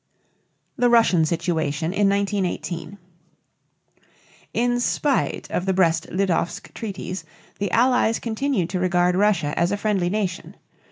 THE RUSSIAN SITUATION IN 1918. In spite of the Brest Litovsk treaties, the Allies continued to regard Russia as a friendly nation.